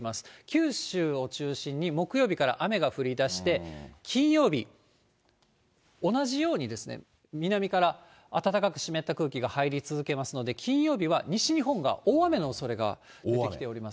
九州を中心に木曜日から雨が降りだして、金曜日、同じように南から暖かく湿った空気が入り続けますので、金曜日は西日本が大雨のおそれが出てきております。